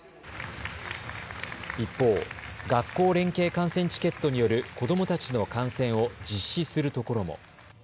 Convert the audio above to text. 一方、学校連携観戦チケットによる子どもたちの観戦を実施するところも。